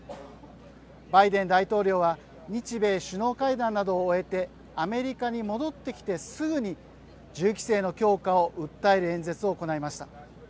バイデン大統領は日米首脳会談などを終えてアメリカに戻ってきて、すぐに銃規制の強化を訴える演説を行いました。